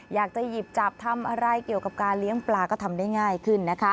อยากจะหยิบจับทำอะไรเกี่ยวกับการเลี้ยงปลาก็ทำได้ง่ายขึ้นนะคะ